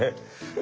え！